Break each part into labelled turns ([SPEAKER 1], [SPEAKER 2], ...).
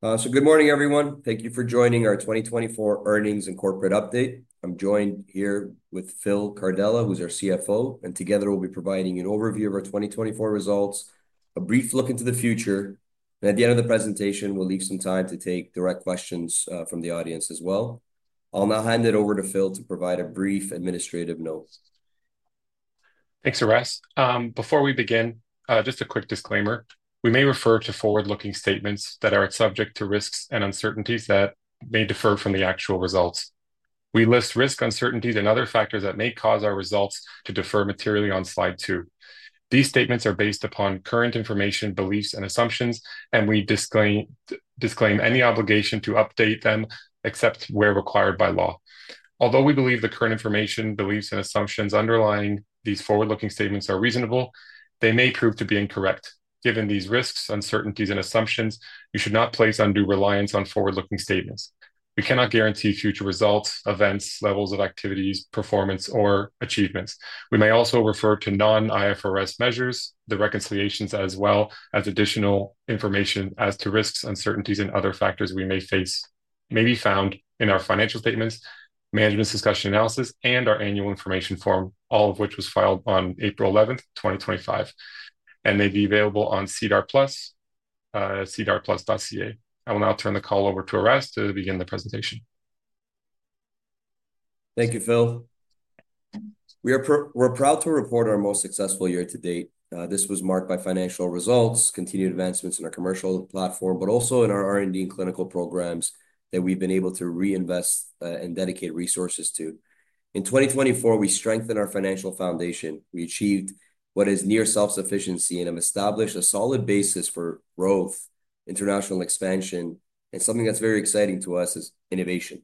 [SPEAKER 1] Good morning, everyone. Thank you for joining our 2024 earnings and corporate update. I'm joined here with Phil Cardella, who's our CFO, and together we'll be providing an overview of our 2024 results, a brief look into the future, and at the end of the presentation, we'll leave some time to take direct questions from the audience as well. I'll now hand it over to Phil to provide a brief administrative note.
[SPEAKER 2] Thanks, Aras. Before we begin, just a quick disclaimer. We may refer to forward-looking statements that are subject to risks and uncertainties that may differ from the actual results. We list risks, uncertainties, and other factors that may cause our results to differ materially on slide two. These statements are based upon current information, beliefs, and assumptions, and we disclaim any obligation to update them except where required by law. Although we believe the current information, beliefs, and assumptions underlying these forward-looking statements are reasonable, they may prove to be incorrect. Given these risks, uncertainties, and assumptions, you should not place undue reliance on forward-looking statements. We cannot guarantee future results, events, levels of activities, performance, or achievements. We may also refer to non-IFRS measures, the reconciliations, as well as additional information as to risks, uncertainties, and other factors we may face may be found in our financial statements, management's discussion analysis, and our annual information form, all of which was filed on April 11th, 2025, and may be available on SEDAR+, sedarplus.ca. I will now turn the call over to Aras to begin the presentation.
[SPEAKER 1] Thank you, Phil. We're proud to report our most successful year to date. This was marked by financial results, continued advancements in our commercial platform, but also in our R&D and clinical programs that we've been able to reinvest and dedicate resources to. In 2024, we strengthened our financial foundation. We achieved what is near self-sufficiency and have established a solid basis for growth, international expansion, and something that's very exciting to us is innovation.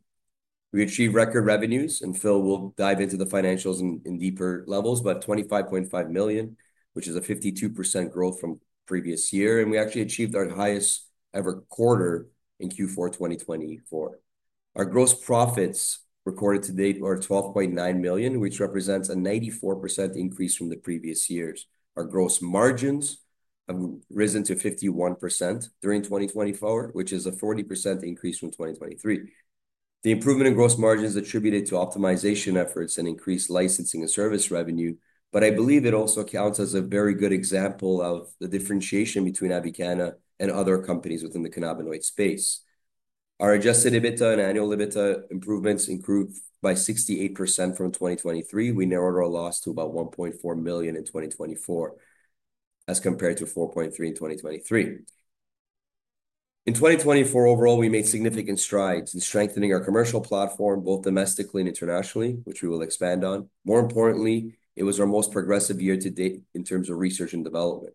[SPEAKER 1] We achieved record revenues, and Phil, we'll dive into the financials in deeper levels, but 25.5 million, which is a 52% growth from previous year, and we actually achieved our highest ever quarter in Q4 2024. Our gross profits recorded to date are 12.9 million, which represents a 94% increase from the previous years. Our gross margins have risen to 51% during 2024, which is a 40% increase from 2023. The improvement in gross margins is attributed to optimization efforts and increased licensing and service revenue, but I believe it also accounts as a very good example of the differentiation between Avicanna and other companies within the cannabinoid space. Our adjusted EBITDA and annual EBITDA improvements increased by 68% from 2023. We narrowed our loss to about 1.4 million in 2024 as compared to 4.3 million in 2023. In 2024, overall, we made significant strides in strengthening our commercial platform both domestically and internationally, which we will expand on. More importantly, it was our most progressive year to date in terms of research and development.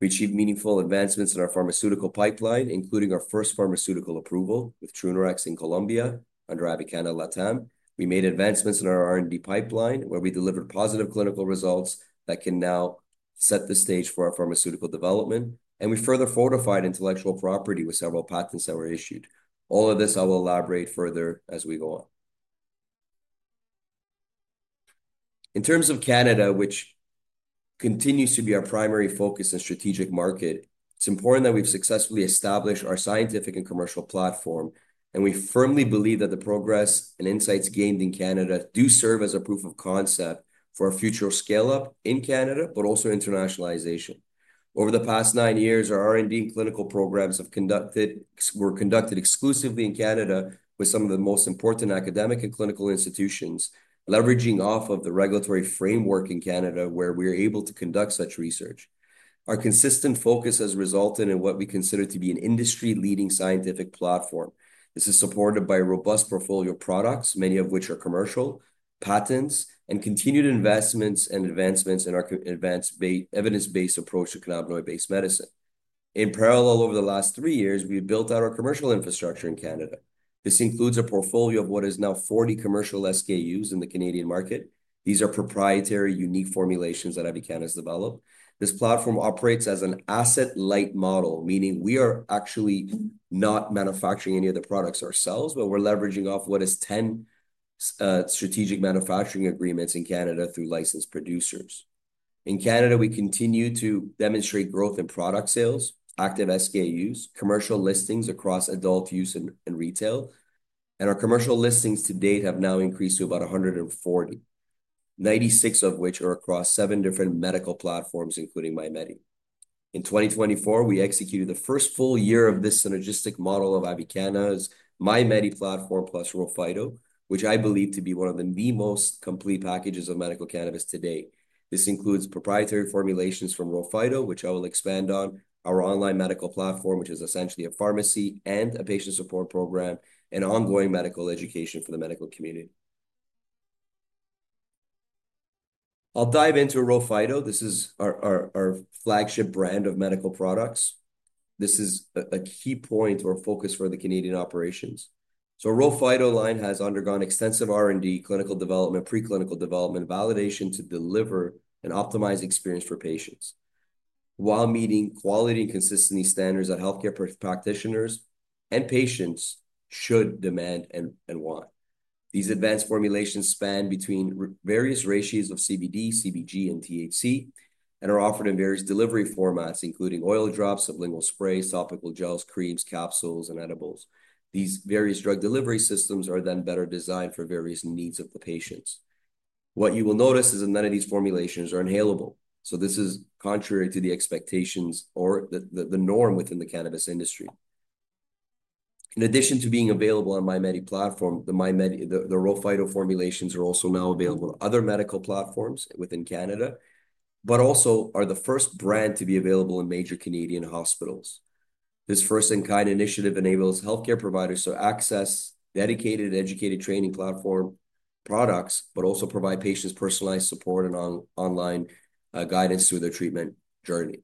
[SPEAKER 1] We achieved meaningful advancements in our pharmaceutical pipeline, including our first pharmaceutical approval with [Trunerox] in Colombia under Avicanna LATAM. We made advancements in our R&D pipeline, where we delivered positive clinical results that can now set the stage for our pharmaceutical development, and we further fortified intellectual property with several patents that were issued. All of this I will elaborate further as we go on. In terms of Canada, which continues to be our primary focus and strategic market, it's important that we've successfully established our scientific and commercial platform, and we firmly believe that the progress and insights gained in Canada do serve as a proof of concept for our future scale-up in Canada, but also internationalization. Over the past nine years, our R&D and clinical programs have been conducted exclusively in Canada with some of the most important academic and clinical institutions, leveraging off of the regulatory framework in Canada where we are able to conduct such research. Our consistent focus has resulted in what we consider to be an industry-leading scientific platform. This is supported by a robust portfolio of products, many of which are commercial, patents, and continued investments and advancements in our advanced evidence-based approach to cannabinoid-based medicine. In parallel, over the last three years, we've built out our commercial infrastructure in Canada. This includes a portfolio of what is now 40 commercial SKUs in the Canadian market. These are proprietary, unique formulations that Avicanna has developed. This platform operates as an asset-light model, meaning we are actually not manufacturing any of the products ourselves, but we're leveraging off what is 10 strategic manufacturing agreements in Canada through licensed producers. In Canada, we continue to demonstrate growth in product sales, active SKUs, commercial listings across adult use and retail, and our commercial listings to date have now increased to about 140, 96 of which are across seven different medical platforms, including MyMedi. In 2024, we executed the first full year of this synergistic model of Avicanna's MyMedi [platform plus RHO Phyto], which I believe to be one of the most complete packages of medical cannabis today. This includes proprietary formulations from RHO Phyto, which I will expand on, our online medical platform, which is essentially a pharmacy and a patient support program, and ongoing medical education for the medical community. I'll dive into RHO Phyto. This is our flagship brand of medical products. This is a key point or focus for the Canadian operations. RHO Phyto line has undergone extensive R&D, clinical development, preclinical development, validation to deliver and optimize experience for patients while meeting quality and consistency standards that healthcare practitioners and patients should demand and want. These advanced formulations span between various ratios of CBD, CBG, and THC, and are offered in various delivery formats, including oil drops, sublingual sprays, topical gels, creams, capsules, and edibles. These various drug delivery systems are then better designed for various needs of the patients. What you will notice is that none of these formulations are inhalable, so this is contrary to the expectations or the norm within the cannabis industry. In addition to being available on MyMedi platform, the RHO Phyto formulations are also now available on other medical platforms within Canada, but also are the first brand to be available in major Canadian hospitals. This first-in-kind initiative enables healthcare providers to access dedicated, educated training platform products, but also provide patients personalized support and online guidance through their treatment journey.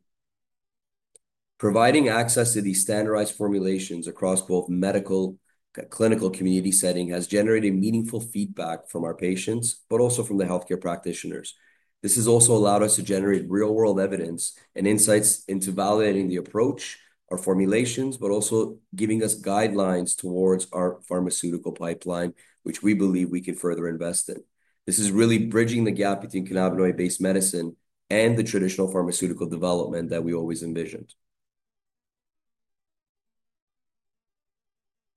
[SPEAKER 1] Providing access to these standardized formulations across both medical and clinical community settings has generated meaningful feedback from our patients, but also from the healthcare practitioners. This has also allowed us to generate real-world evidence and insights into validating the approach, our formulations, but also giving us guidelines towards our pharmaceutical pipeline, which we believe we can further invest in. This is really bridging the gap between cannabinoid-based medicine and the traditional pharmaceutical development that we always envisioned.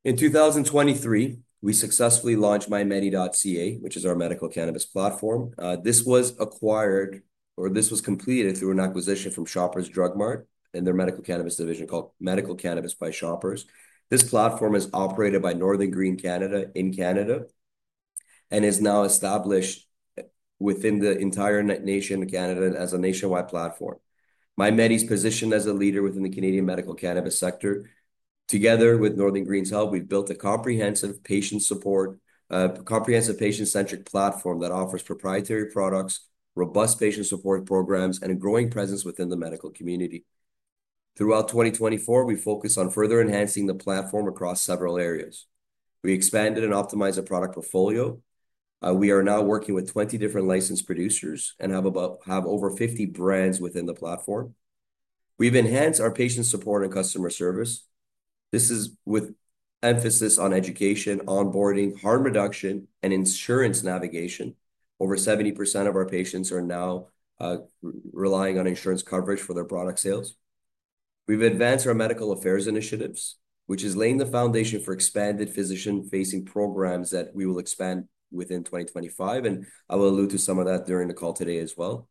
[SPEAKER 1] In 2023, we successfully launched MyMedi.ca, which is our medical cannabis platform. This was acquired, or this was completed through an acquisition from Shoppers Drug Mart and their medical cannabis division called Medical Cannabis by Shoppers. This platform is operated by Northern Green Canada in Canada and is now established within the entire nation of Canada as a nationwide platform. MyMedi's position as a leader within the Canadian medical cannabis sector. Together with Northern Green's help, we've built a comprehensive patient support, a comprehensive patient-centric platform that offers proprietary products, robust patient support programs, and a growing presence within the medical community. Throughout 2024, we focused on further enhancing the platform across several areas. We expanded and optimized our product portfolio. We are now working with 20 different licensed producers and have over 50 brands within the platform. We've enhanced our patient support and customer service. This is with emphasis on education, onboarding, harm reduction, and insurance navigation. Over 70% of our patients are now relying on insurance coverage for their product sales. We've advanced our medical affairs initiatives, which is laying the foundation for expanded physician-facing programs that we will expand within 2025, and I will allude to some of that during the call today as well.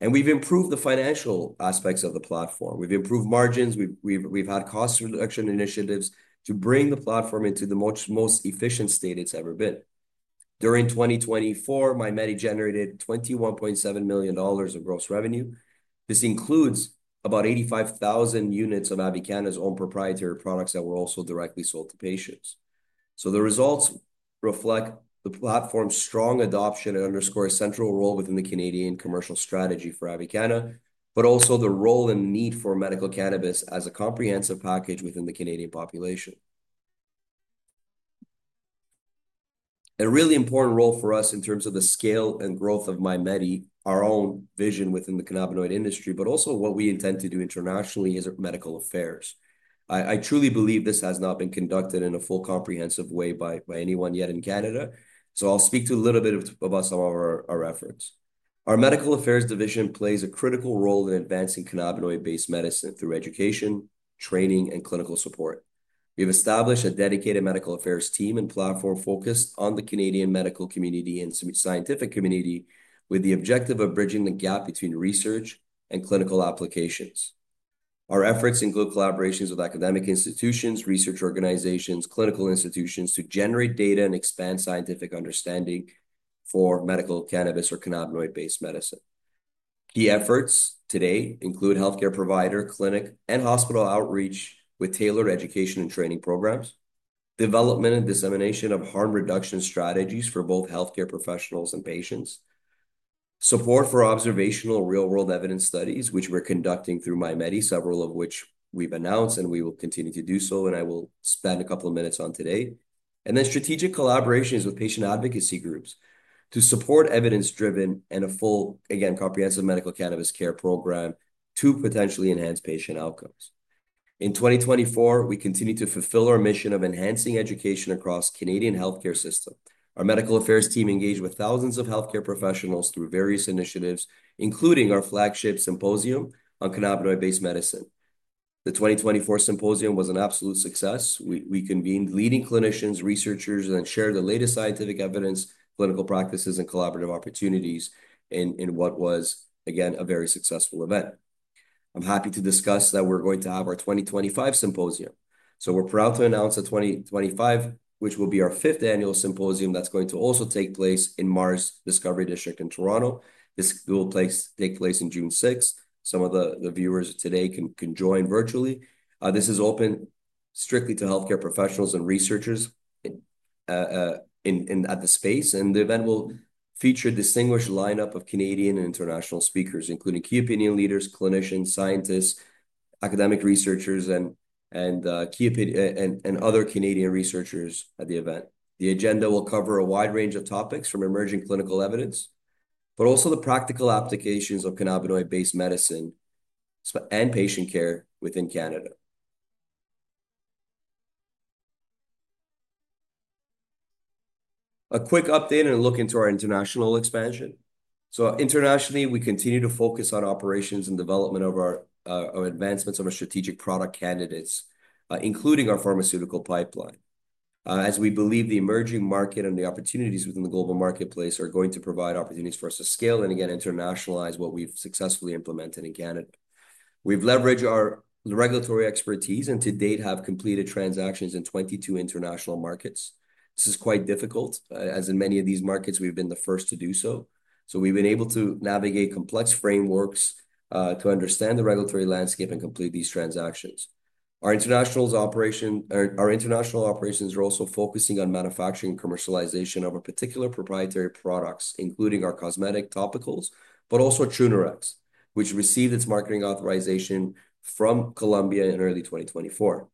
[SPEAKER 1] We've improved the financial aspects of the platform. We've improved margins. We've had cost reduction initiatives to bring the platform into the most efficient state it's ever been. During 2024, MyMedi generated 21.7 million dollars of gross revenue. This includes about 85,000 units of Avicanna's own proprietary products that were also directly sold to patients. The results reflect the platform's strong adoption and underscore a central role within the Canadian commercial strategy for Avicanna, but also the role and need for medical cannabis as a comprehensive package within the Canadian population. A really important role for us in terms of the scale and growth of MyMedi, our own vision within the cannabinoid industry, but also what we intend to do internationally is medical affairs. I truly believe this has not been conducted in a full, comprehensive way by anyone yet in Canada, so I'll speak to a little bit of some of our efforts. Our medical affairs division plays a critical role in advancing cannabinoid-based medicine through education, training, and clinical support. We've established a dedicated medical affairs team and platform focused on the Canadian medical community and scientific community with the objective of bridging the gap between research and clinical applications. Our efforts include collaborations with academic institutions, research organizations, and clinical institutions to generate data and expand scientific understanding for medical cannabis or cannabinoid-based medicine. Key efforts today include healthcare provider, clinic, and hospital outreach with tailored education and training programs, development and dissemination of harm reduction strategies for both healthcare professionals and patients, support for observational real-world evidence studies, which we're conducting through MyMedi, several of which we've announced and we will continue to do so, and I will spend a couple of minutes on today, then strategic collaborations with patient advocacy groups to support evidence-driven and a full, again, comprehensive medical cannabis care program to potentially enhance patient outcomes. In 2024, we continue to fulfill our mission of enhancing education across the Canadian healthcare system. Our medical affairs team engaged with thousands of healthcare professionals through various initiatives, including our flagship symposium on cannabinoid-based medicine. The 2024 symposium was an absolute success. We convened leading clinicians, researchers, and shared the latest scientific evidence, clinical practices, and collaborative opportunities in what was, again, a very successful event. I'm happy to discuss that we're going to have our 2025 symposium. We are proud to announce the 2025, which will be our fifth annual symposium that's going to also take place in MaRS Discovery District in Toronto. This will take place on June 6th. Some of the viewers today can join virtually. This is open strictly to healthcare professionals and researchers in the space, and the event will feature a distinguished lineup of Canadian and international speakers, including key opinion leaders, clinicians, scientists, academic researchers, and key and other Canadian researchers at the event. The agenda will cover a wide range of topics from emerging clinical evidence, but also the practical applications of cannabinoid-based medicine and patient care within Canada. A quick update and a look into our international expansion. Internationally, we continue to focus on operations and development of our advancements of our strategic product candidates, including our pharmaceutical pipeline. As we believe the emerging market and the opportunities within the global marketplace are going to provide opportunities for us to scale and, again, internationalize what we've successfully implemented in Canada. We've leveraged our regulatory expertise and to date have completed transactions in 22 international markets. This is quite difficult, as in many of these markets, we've been the first to do so. We've been able to navigate complex frameworks to understand the regulatory landscape and complete these transactions. Our international operations are also focusing on manufacturing and commercialization of our particular proprietary products, including our cosmetic topicals, but also [Trunerox], which received its marketing authorization from Colombia in early 2024.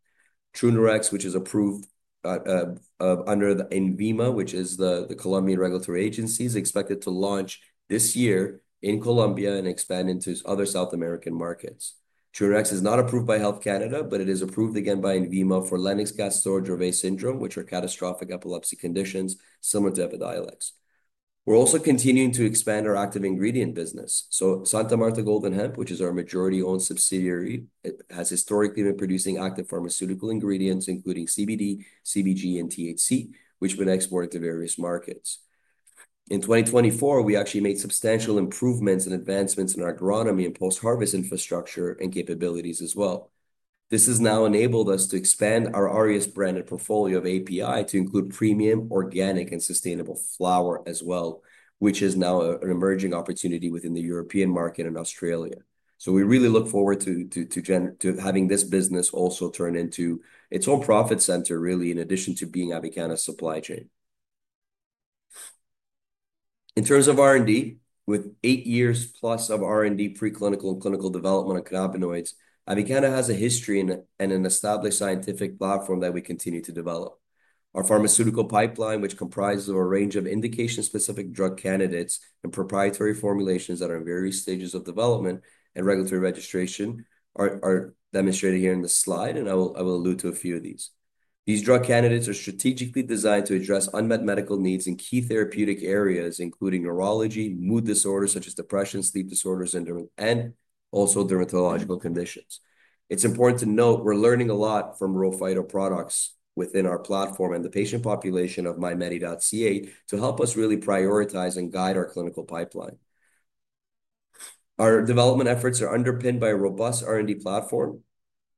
[SPEAKER 1] [Trunerox], which is approved under INVIMA, which is the Colombian regulatory agency, is expected to launch this year in Colombia and expand into other South American markets. [Trunerox] is not approved by Health Canada, but it is approved again by INVIMA for Lennox-Gastaut [Gervais] syndrome, which are catastrophic epilepsy conditions similar to epidiolecs. We're also continuing to expand our active ingredient business. Santa Marta Golden Hemp, which is our majority-owned subsidiary, has historically been producing active pharmaceutical ingredients, including CBD, CBG, and THC, which have been exported to various markets. In 2024, we actually made substantial improvements and advancements in our agronomy and post-harvest infrastructure and capabilities as well. This has now enabled us to expand our Aureus branded portfolio of API to include premium, organic, and sustainable flower as well, which is now an emerging opportunity within the European market in Australia. We really look forward to having this business also turn into its own profit center, really, in addition to being Avicanna's supply chain. In terms of R&D, with eight years plus of R&D, preclinical and clinical development of cannabinoids, Avicanna has a history and an established scientific platform that we continue to develop. Our pharmaceutical pipeline, which comprises a range of indication-specific drug candidates and proprietary formulations that are in various stages of development and regulatory registration, are demonstrated here in this slide, and I will allude to a few of these. These drug candidates are strategically designed to address unmet medical needs in key therapeutic areas, including neurology, mood disorders such as depression, sleep disorders, and also dermatological conditions. It's important to note we're learning a lot from RHO Phyto products within our platform and the patient population of MyMedi.ca to help us really prioritize and guide our clinical pipeline. Our development efforts are underpinned by a robust R&D platform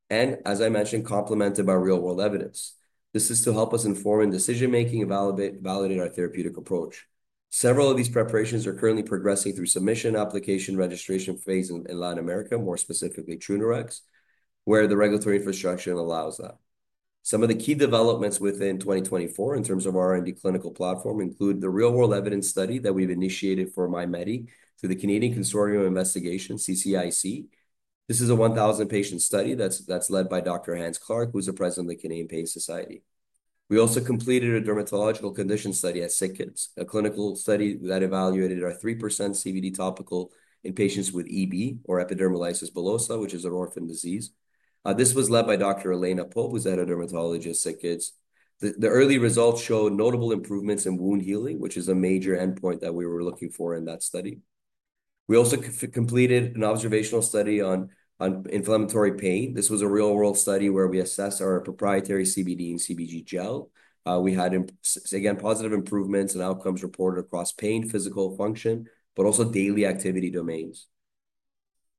[SPEAKER 1] and, as I mentioned, complemented by real-world evidence. This is to help us inform decision-making and validate our therapeutic approach. Several of these preparations are currently progressing through submission, application, registration phase in Latin America, more specifically [Trunerox], where the regulatory infrastructure allows that. Some of the key developments within 2024 in terms of our R&D clinical platform include the real-world evidence study that we've initiated for MyMedi through the Canadian Consortium of Investigation, CCIC. This is a 1,000-patient study that's led by Dr. Hance Clarke, who's the president of the Canadian Pain Society. We also completed a dermatological condition study at SickKids, a clinical study that evaluated our 3% CBD topical in patients with EB, or epidermolysis bullosa, which is an orphan disease. This was led by Dr. Elena Pope, who's a dermatologist at SickKids. The early results showed notable improvements in wound healing, which is a major endpoint that we were looking for in that study. We also completed an observational study on inflammatory pain. This was a real-world study where we assessed our proprietary CBD and CBG gel. We had, again, positive improvements and outcomes reported across pain, physical function, but also daily activity domains.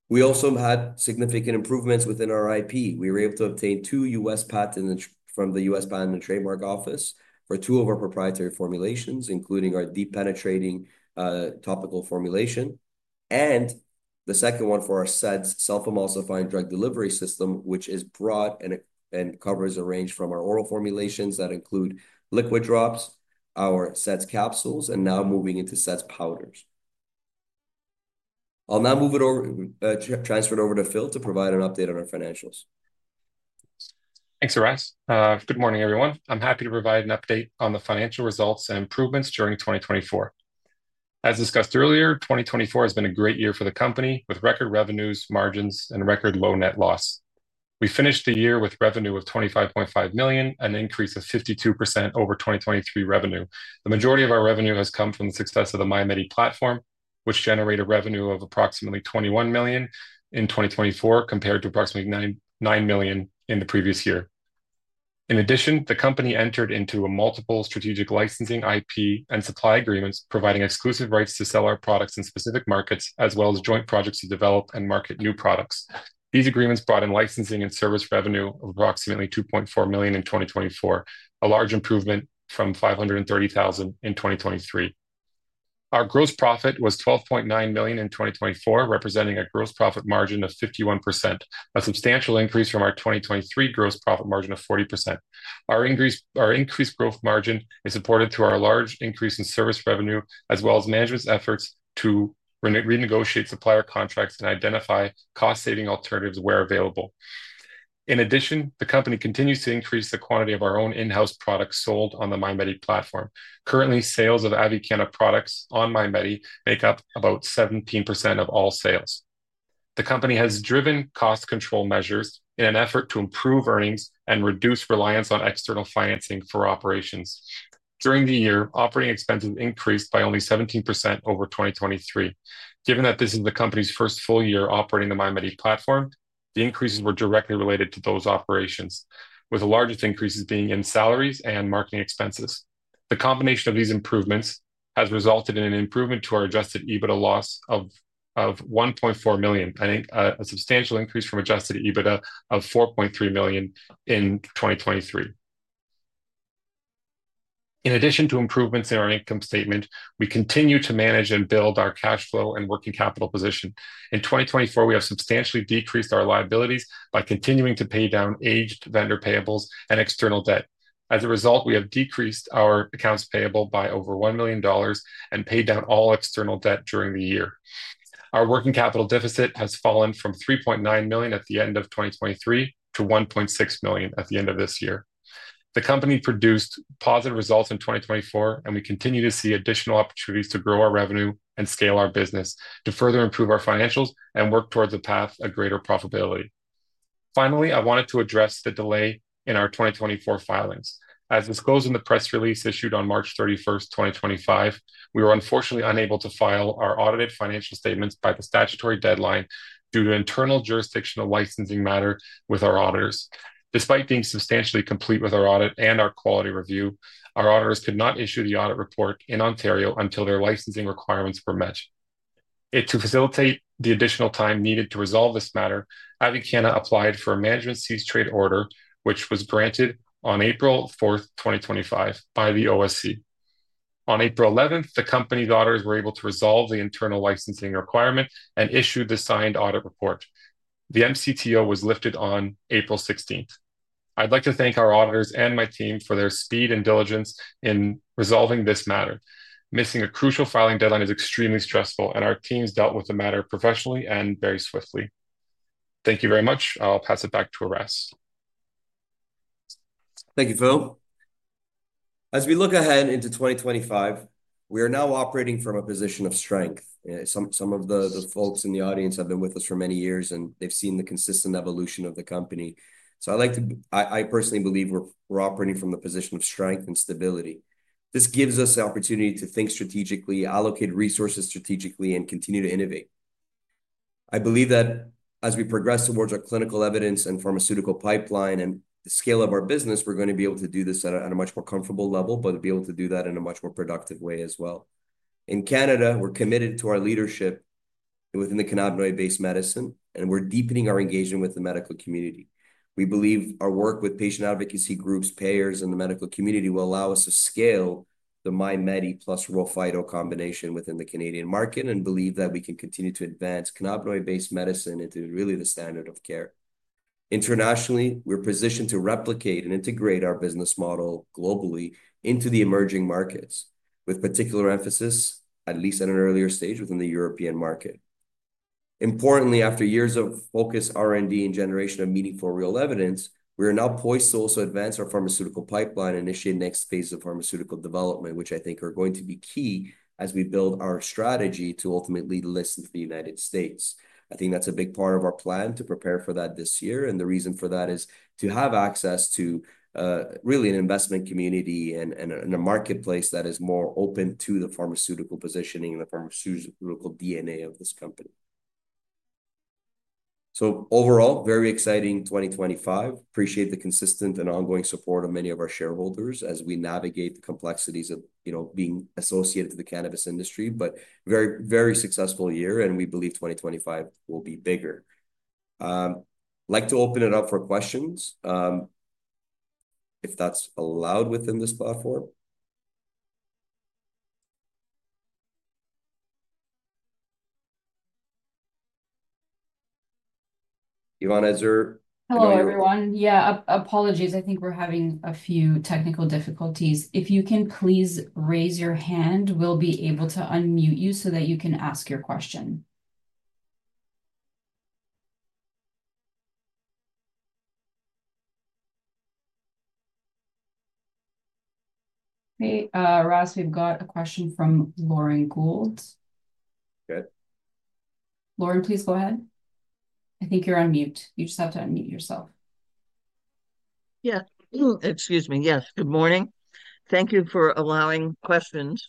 [SPEAKER 1] We also had significant improvements within our IP. We were able to obtain two U.S. patents from the U.S.. Patent and Trademark Office for two of our proprietary formulations, including our deep-penetrating topical formulation, and the second one for our SEDDS self-emulsifying drug delivery system, which is broad and covers a range from our oral formulations that include liquid drops, our SEDDS capsules, and now moving into SEDDS powders. I'll now move it over, transfer it over to Phil to provide an update on our financials.
[SPEAKER 2] Thanks, Aras. Good morning, everyone. I'm happy to provide an update on the financial results and improvements during 2024. As discussed earlier, 2024 has been a great year for the company with record revenues, margins, and record low net loss. We finished the year with revenue of 25.5 million, an increase of 52% over 2023 revenue. The majority of our revenue has come from the success of the MyMedi platform, which generated a revenue of approximately 21 million in 2024 compared to approximately 9,000,000 in the previous year. In addition, the company entered into multiple strategic licensing, IP, and supply agreements, providing exclusive rights to sell our products in specific markets, as well as joint projects to develop and market new products. These agreements brought in licensing and service revenue of approximately 2.4 million in 2024, a large improvement from 530,000 in 2023. Our gross profit was 12.9 million in 2024, representing a gross profit margin of 51%, a substantial increase from our 2023 gross profit margin of 40%. Our increased gross margin is supported through our large increase in service revenue, as well as management's efforts to renegotiate supplier contracts and identify cost-saving alternatives where available. In addition, the company continues to increase the quantity of our own in-house products sold on the MyMedi platform. Currently, sales of Avicanna products on MyMedi make up about 17% of all sales. The company has driven cost control measures in an effort to improve earnings and reduce reliance on external financing for operations. During the year, operating expenses increased by only 17% over 2023. Given that this is the company's first full year operating the MyMedi platform, the increases were directly related to those operations, with the largest increases being in salaries and marketing expenses. The combination of these improvements has resulted in an improvement to our adjusted EBITDA loss of 1.4 million, a substantial increase from adjusted EBITDA of 4.3 million in 2023. In addition to improvements in our income statement, we continue to manage and build our cash flow and working capital position. In 2024, we have substantially decreased our liabilities by continuing to pay down aged vendor payables and external debt. As a result, we have decreased our accounts payable by over 1,000,000 dollars and paid down all external debt during the year. Our working capital deficit has fallen from 3.9 million at the end of 2023 to 1.6 million at the end of this year. The company produced positive results in 2024, and we continue to see additional opportunities to grow our revenue and scale our business to further improve our financials and work towards a path of greater profitability. Finally, I wanted to address the delay in our 2024 filings. As disclosed in the press release issued on March 31st, 2025, we were unfortunately unable to file our audited financial statements by the statutory deadline due to internal jurisdictional licensing matter with our auditors. Despite being substantially complete with our audit and our quality review, our auditors could not issue the audit report in Ontario until their licensing requirements were met. To facilitate the additional time needed to resolve this matter, Avicanna applied for a management cease-trade order, which was granted on April 4th, 2025, by the OSC. On April 11th, the company's auditors were able to resolve the internal licensing requirement and issued the signed audit report. The MCTO was lifted on April 16th. I'd like to thank our auditors and my team for their speed and diligence in resolving this matter. Missing a crucial filing deadline is extremely stressful, and our teams dealt with the matter professionally and very swiftly. Thank you very much. I'll pass it back to Aras.
[SPEAKER 1] Thank you, Phil. As we look ahead into 2025, we are now operating from a position of strength. Some of the folks in the audience have been with us for many years, and they've seen the consistent evolution of the company. I like to, I personally believe we're operating from the position of strength and stability. This gives us an opportunity to think strategically, allocate resources strategically, and continue to innovate. I believe that as we progress towards our clinical evidence and pharmaceutical pipeline and the scale of our business, we're going to be able to do this at a much more comfortable level, but be able to do that in a much more productive way as well. In Canada, we're committed to our leadership within the cannabinoid-based medicine, and we're deepening our engagement with the medical community. We believe our work with patient advocacy groups, payers, and the medical community will allow us to scale the MyMedi plus RHO Phyto combination within the Canadian market and believe that we can continue to advance cannabinoid-based medicine into really the standard of care. Internationally, we're positioned to replicate and integrate our business model globally into the emerging markets, with particular emphasis, at least at an earlier stage, within the European market. Importantly, after years of focus, R&D, and generation of meaningful real evidence, we are now poised to also advance our pharmaceutical pipeline and initiate the next phase of pharmaceutical development, which I think are going to be key as we build our strategy to ultimately listen to the United States. I think that's a big part of our plan to prepare for that this year. The reason for that is to have access to really an investment community and a marketplace that is more open to the pharmaceutical positioning and the pharmaceutical DNA of this company. Overall, very exciting 2025. Appreciate the consistent and ongoing support of many of our shareholders as we navigate the complexities of being associated with the cannabis industry, but very, very successful year, and we believe 2025 will be bigger. I'd like to open it up for questions, if that's allowed within this platform. Ivana Azar?
[SPEAKER 3] Hello, everyone. Yeah, apologies. I think we're having a few technical difficulties. If you can please raise your hand, we'll be able to unmute you so that you can ask your question. Okay. Aras, we've got a question from Lauren Gould. Lauren, please go ahead. I think you're unmute. You just have to unmute yourself. Yeah. Excuse me. Yes. Good morning. Thank you for allowing questions.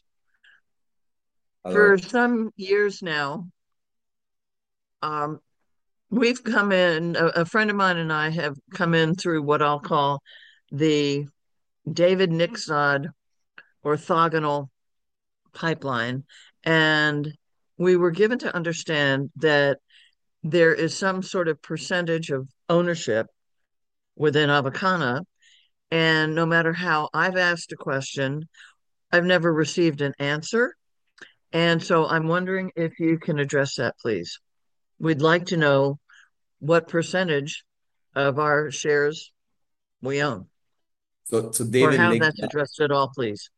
[SPEAKER 3] For some years now, we've come in, a friend of mine and I have come in through what I'll call the David [Nikzad] orthogonal pipeline. We were given to understand that there is some sort of percentage of ownership within Avicanna. No matter how I've asked a question, I've never received an answer. I'm wondering if you can address that, please. We'd like to know what percentage of our shares we own. David [Nixzad], how is that addressed at all, please?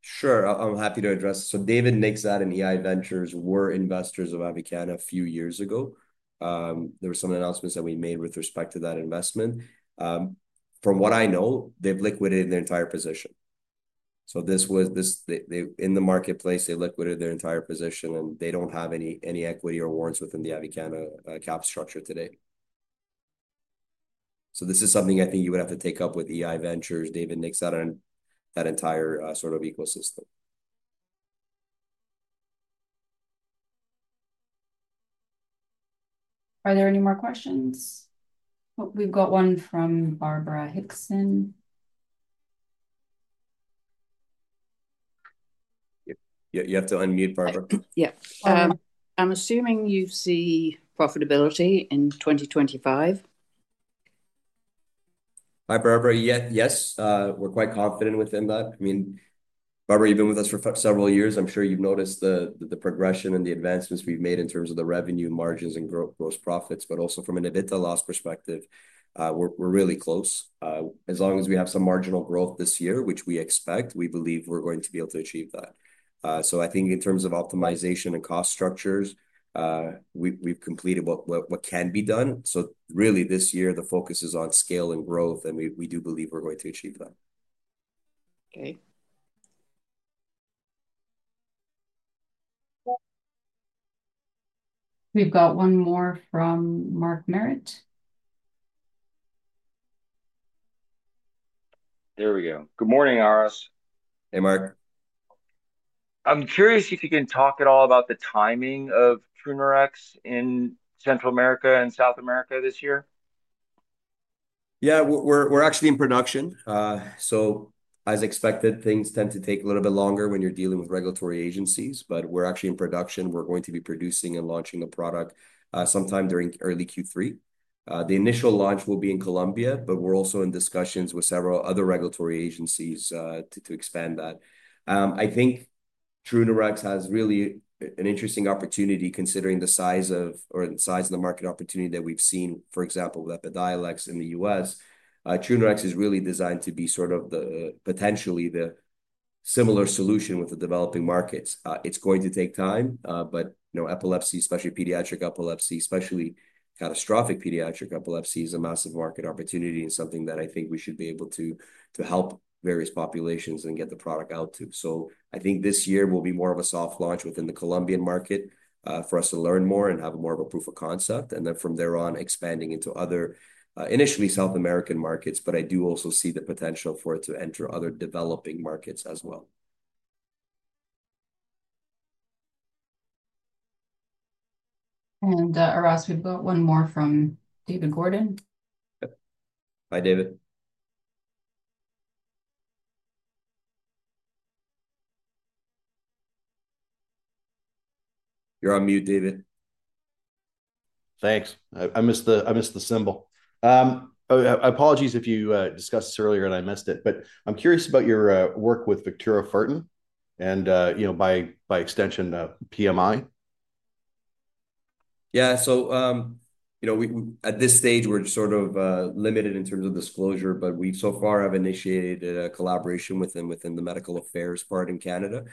[SPEAKER 1] Sure. I'm happy to address. David Nikzad and Ei. Ventures were investors of Avicanna a few years ago. There were some announcements that we made with respect to that investment. From what I know, they've liquidated their entire position. This was in the marketplace, they liquidated their entire position, and they do not have any equity or warrants within the Avicanna cap structure today. This is something I think you would have to take up with Ei. Ventures, David Nikzad, that entire sort of ecosystem.
[SPEAKER 3] Are there any more questions? We have one from Barbara Hickson.
[SPEAKER 1] You have to unmute, Barbara. Yeah. I am assuming you see profitability in 2025. Hi, Barbara. Yes, we are quite confident within that. I mean, Barbara, you have been with us for several years. I am sure you have noticed the progression and the advancements we have made in terms of the revenue, margins, and gross profits, but also from an EBITDA loss perspective, we are really close. As long as we have some marginal growth this year, which we expect, we believe we are going to be able to achieve that. I think in terms of optimization and cost structures, we've completed what can be done. Really, this year, the focus is on scale and growth, and we do believe we're going to achieve that.
[SPEAKER 3] Okay. We've got one more from Mark Merritt. There we go. Good morning, Aras.
[SPEAKER 1] Hey, Mark. I'm curious if you can talk at all about the timing of [Trunerox] in Central America and South America this year. Yeah, we're actually in production. As expected, things tend to take a little bit longer when you're dealing with regulatory agencies, but we're actually in production. We're going to be producing and launching a product sometime during early Q3. The initial launch will be in Colombia, but we're also in discussions with several other regulatory agencies to expand that. I think [Trunerox] has really an interesting opportunity considering the size of or the size of the market opportunity that we've seen, for example, with EPIDIOLEX in the U.S.. [Trunerox] is really designed to be sort of potentially the similar solution with the developing markets. It's going to take time, but epilepsy, especially pediatric epilepsy, especially catastrophic pediatric epilepsy, is a massive market opportunity and something that I think we should be able to help various populations and get the product out to. I think this year will be more of a soft launch within the Colombian market for us to learn more and have more of a proof of concept. From there on, expanding into other initially South American markets, I do also see the potential for it to enter other developing markets as well.
[SPEAKER 3] Aras, we've got one more from David Gordon.
[SPEAKER 1] Hi, David. You're on mute, David. Thanks. I missed the symbol. Apologies if you discussed this earlier and I missed it, but I'm curious about your work with Vectura Fertin and by extension, PMI. Yeah. At this stage, we're sort of limited in terms of disclosure, but we so far have initiated a collaboration within the medical affairs part in Canada.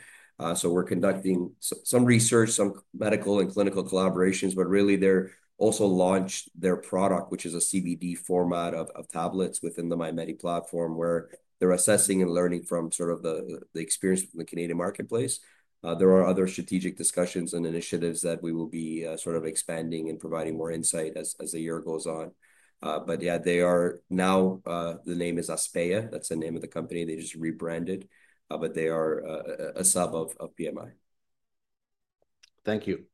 [SPEAKER 1] We're conducting some research, some medical and clinical collaborations, but really, they're also launching their product, which is a CBD format of tablets within the MyMedi platform, where they're assessing and learning from the experience from the Canadian marketplace. There are other strategic discussions and initiatives that we will be expanding and providing more insight as the year goes on. They are now, the name is Aspeya. That's the name of the company. They just rebranded, but they are a sub of PMI. Thank you.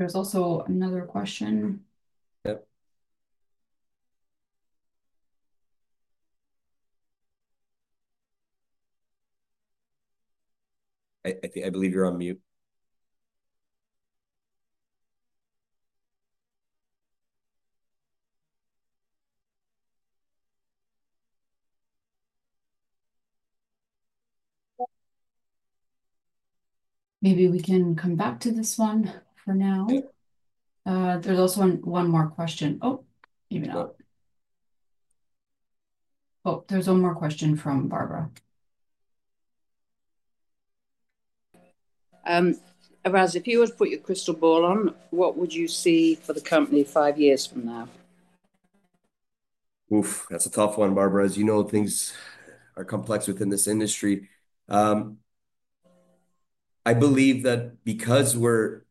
[SPEAKER 3] There's also another question.
[SPEAKER 1] Yep. I believe you're on mute.
[SPEAKER 3] Maybe we can come back to this one for now. There's also one more question. Oh, maybe not. Oh, there's one more question from Barbara. Aras, if you were to put your crystal ball on, what would you see for the company five years from now?
[SPEAKER 1] Oof, that's a tough one, Barbara. As you know, things are complex within this industry. I believe that because we're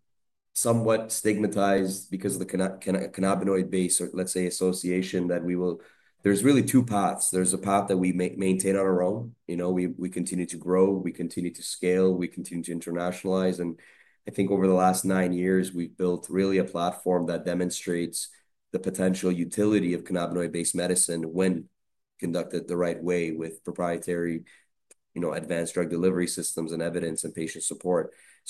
[SPEAKER 1] somewhat stigmatized because of the cannabinoid-based, let's say, association, that there's really two paths. There's a path that we maintain on our own. We continue to grow. We continue to scale. We continue to internationalize. I think over the last nine years, we've built really a platform that demonstrates the potential utility of cannabinoid-based medicine when conducted the right way with proprietary advanced drug delivery systems and evidence and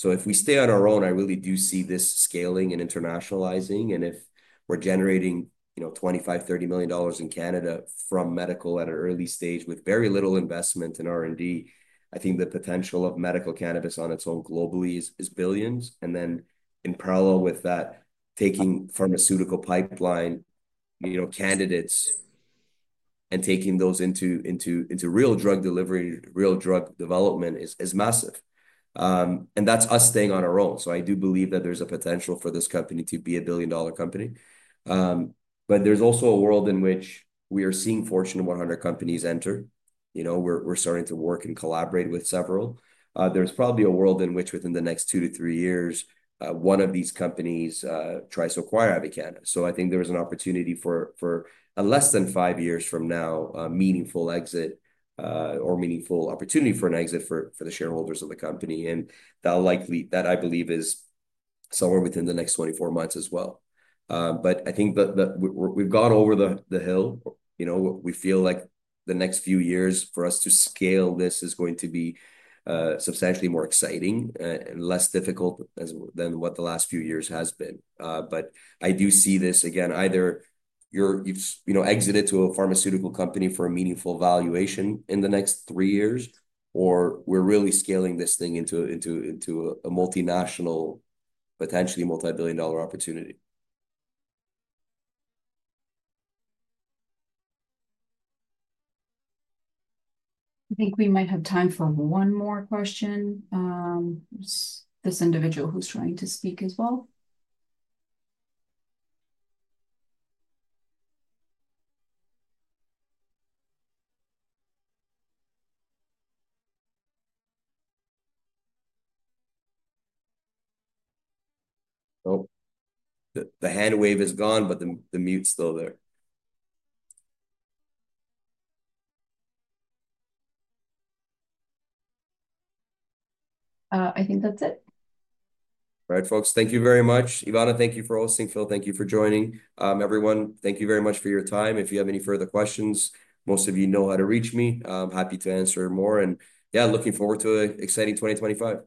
[SPEAKER 1] patient support. If we stay on our own, I really do see this scaling and internationalizing. If we're generating 25 million, 30 million dollars in Canada from medical at an early stage with very little investment in R&D, I think the potential of medical cannabis on its own globally is billions. In parallel with that, taking pharmaceutical pipeline candidates and taking those into real drug delivery, real drug development is massive. That's us staying on our own. I do believe that there's a potential for this company to be a billion-dollar company. There is also a world in which we are seeing Fortune 100 companies enter. We're starting to work and collaborate with several. There's probably a world in which within the next two to three years, one of these companies tries to acquire Avicanna. I think there is an opportunity for a less than five years from now, meaningful exit or meaningful opportunity for an exit for the shareholders of the company. I believe that is somewhere within the next 24 months as well. I think that we've gone over the hill. We feel like the next few years for us to scale this is going to be substantially more exciting and less difficult than what the last few years has been. I do see this, again, either you've exited to a pharmaceutical company for a meaningful valuation in the next three years, or we're really scaling this thing into a multinational, potentially multi-billion-dollar opportunity.
[SPEAKER 3] I think we might have time for one more question. This individual who's trying to speak as well.
[SPEAKER 1] Oh, the hand wave is gone, but the mute's still there.
[SPEAKER 3] I think that's it.
[SPEAKER 1] All right, folks. Thank you very much. Ivana, thank you for hosting. Phil, thank you for joining. Everyone, thank you very much for your time. If you have any further questions, most of you know how to reach me. I'm happy to answer more. Yeah, looking forward to an exciting 2025.